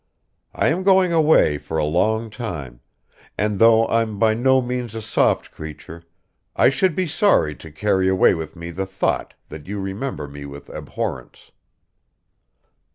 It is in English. I am going away for a long time, and though I'm by no means a soft creature, I should be sorry to carry away with me the thought that you remember me with abhorrence."